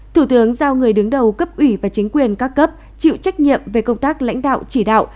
thủ tướng giao người đứng đầu cấp ủy và chính quyền các cấp chịu trách nhiệm về công tác lãnh đạo chỉ đạo